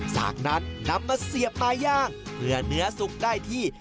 จากนั้นนำมาเสียบปลาย่างเมื่อเนื้อสุกได้ที่